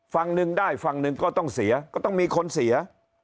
ฝั่งหนึ่งได้ฝั่งหนึ่งก็ต้องเสียก็ต้องมีคนเสีย